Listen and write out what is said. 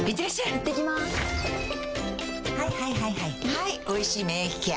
はい「おいしい免疫ケア」